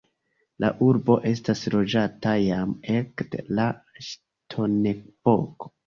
La urbo estas loĝata jam ekde la ŝtonepoko.